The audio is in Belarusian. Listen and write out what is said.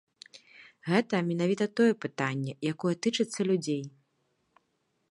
Гэта менавіта тое пытанне, якое тычыцца людзей.